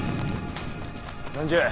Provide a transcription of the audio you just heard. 何じゃ。